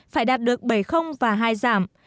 phải đạt được bảy và hai giảm